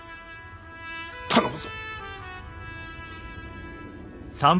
頼むぞ。